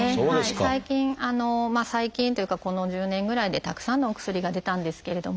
最近最近というかこの１０年ぐらいでたくさんのお薬が出たんですけれども。